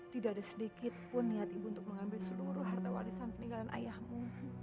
tidak ada sedikit pun niat ibu untuk mengambil seluruh harta warisan peninggalan ayahmu